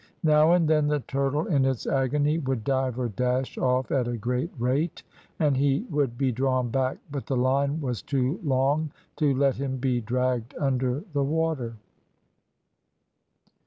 Now and then, the turtle in its agony would dive or dash off at a great rate, and he would be drawn back, but the line was too long to let him be dragged under the water.